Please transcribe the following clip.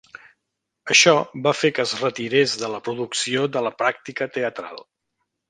Això va fer que es retirés de la producció de la pràctica teatral.